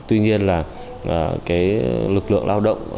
tuy nhiên là cái lực lượng lao động